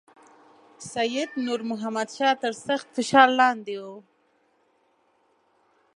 سید نور محمد شاه تر سخت فشار لاندې وو.